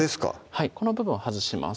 はいこの部分を外します